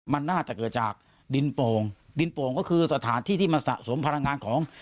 มันน่าจะเกิดจากดินโป่งดินโป่งก็คือสถานที่ที่มันสะสมพลังงานของ